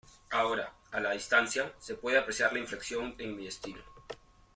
Ahora, a la distancia, se puede apreciar la inflexión en mi destino.